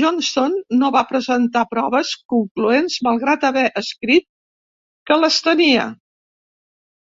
Johnston no va presentar proves concloents, malgrat haver escrit que les tenia.